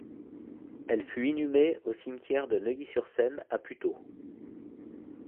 Elle fut inhumée au cimetière de Neuilly-sur-Seine à Puteaux.